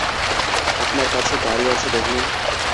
আপনার কাছে গাড়ি আছে ডেভলিন?